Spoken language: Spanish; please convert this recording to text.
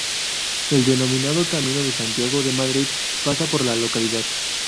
El denominado Camino de Santiago de Madrid pasa por la localidad.